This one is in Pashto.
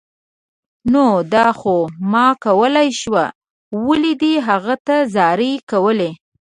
نو دا خو ما کولای شو، ولې دې هغه ته زارۍ کولې